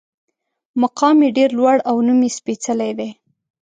مقام یې ډېر لوړ او نوم یې سپېڅلی دی.